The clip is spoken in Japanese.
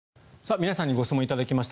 皆さんにご質問頂きました。